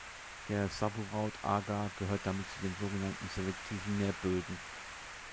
Der Sabouraud-Agar gehört damit zu den sogenannten selektiven Nährböden.